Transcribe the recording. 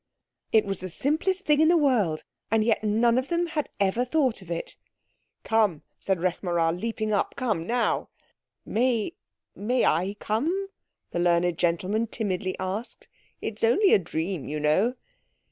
It was the simplest thing in the world! And yet none of them had ever thought of it. "Come," cried Rekh marā, leaping up. "Come now!" "May—may I come?" the learned gentleman timidly asked. "It's only a dream, you know."